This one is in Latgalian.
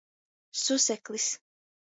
Suseklis.